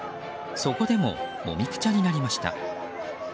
そこでももみくちゃになりました。